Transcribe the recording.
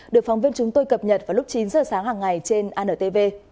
được phóng viên chúng tôi cập nhật vào lúc chín giờ sáng hàng ngày trên antv